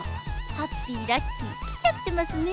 ハッピーラッキーきちゃってますね。